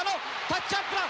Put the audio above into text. タッチアップだ。